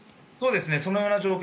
そのような状況